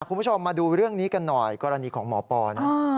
คุณผู้ชมมาดูเรื่องนี้กันหน่อยกรณีของหมอปอน